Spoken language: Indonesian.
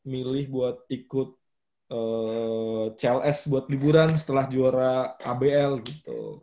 milih buat ikut cls buat liburan setelah juara abl gitu